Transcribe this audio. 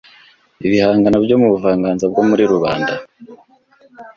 Ibihangano byo mu buvanganzo bwo muri rubanda